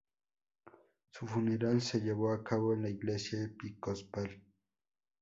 Su funeral se llevó a cabo en la Iglesia Episcopal "St.